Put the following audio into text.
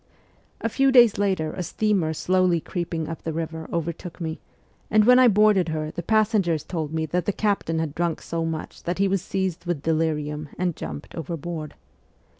A few days later a steamer slowly creeping up the river overtook me, and when I boarded her the passengers told me that the captain had drunk so much that he was seized with delirium and jumped overboard.